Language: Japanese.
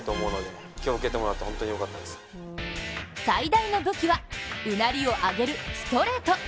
最大の武器はうなりを上げるストレート。